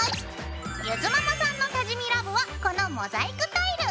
ゆづママさんの多治見ＬＯＶＥはこのモザイクタイル！